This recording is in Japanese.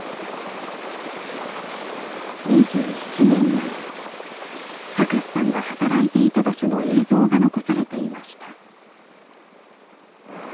２７年前隆さんが働いていた場所の映像が残されていました。